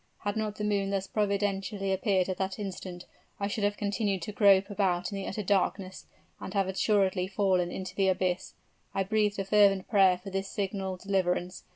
Had not the moon thus providentially appeared at that instant, I should have continued to grope about in the utter darkness, and have assuredly fallen into the abyss. I breathed a fervent prayer for this signal deliverance.